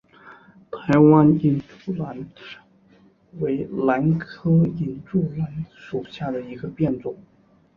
台湾隐柱兰为兰科隐柱兰属下的一个变种。